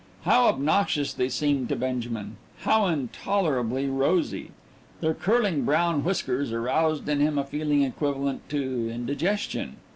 How obnoxious they seemed to Benjamin; how intolerably rosy! Their curling brown whiskers aroused in him a feeling equivalent to indigestion.